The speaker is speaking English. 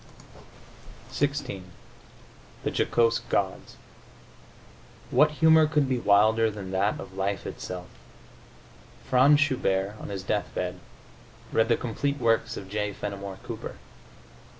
XVI THE JOCOSE GODS What humor could be wilder than that of life itself? Franz Schubert, on his deathbed, read the complete works of J. Fenimore Cooper.